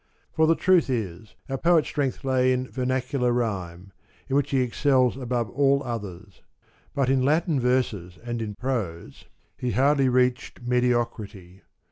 For the truth is our poet's strength lay in vernacular rhyme, in which he excels above all others, but in Latin verses and in prose he hardly reached mediocrity.